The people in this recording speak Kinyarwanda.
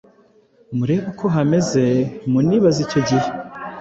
Murebe uko hameze mu nibaze icyo gihe